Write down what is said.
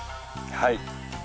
はい。